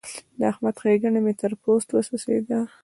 د احمد ښېګڼه مې تر پوست وڅڅېده.